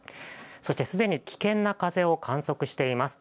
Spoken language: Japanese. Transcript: そして、すでに危険な風を観測しています。